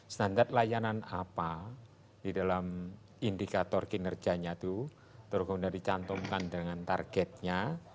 standar layanan apa di dalam indikator kinerjanya itu tergolong dari cantumkan dengan targetnya